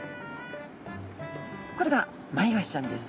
これがマイワシちゃんです。